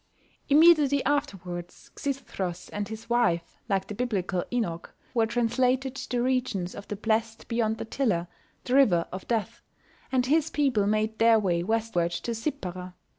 Immediately afterwards Xisuthros and his wife, like the Biblical Enoch, were translated to the regions of the blest beyond Datilla, the river of Death, and his people made their way westward to Sippara.